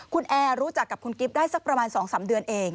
คุณแอร์รู้จักกับคุณกิ๊บได้สักประมาณ๒๓เดือนเอง